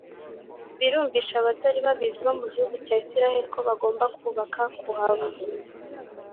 Birumvisha abatari babizi bo mu gihugu cya israel kobagomba kubaka kuhava